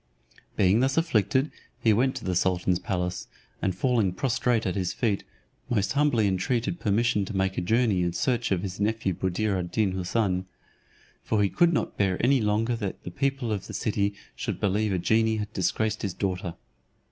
Being thus afflicted, he went to the sultan's palace, and falling prostrate at his feet, most humbly intreated permission to make a journey in search of his nephew Buddir ad Deen Houssun. For he could not bear any longer that the people of the city should believe a genie had disgraced his daughter.